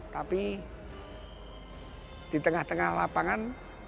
tapi di tengah tengah lapangan